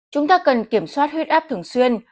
chúng ta cần kiểm soát huyết áp thường xuyên